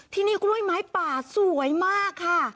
ที่นี่กล้วยไม้ป่าสวยมากค่ะ